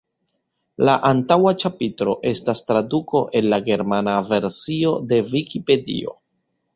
La antaŭa ĉapitro estas traduko el la germana versio de vikipedio.